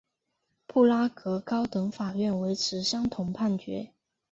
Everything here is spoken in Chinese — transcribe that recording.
布拉格高等法院维持相同判决。